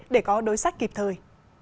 để có đối sách kịp thời